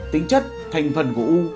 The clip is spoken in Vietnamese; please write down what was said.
tính chất thành phần của u